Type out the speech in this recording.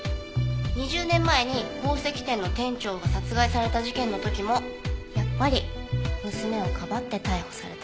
２０年前に宝石店の店長が殺害された事件の時もやっぱり娘をかばって逮捕された。